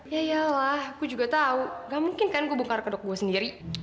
yaiyalah gue juga tahu nggak mungkin kan gue buka arkadok gue sendiri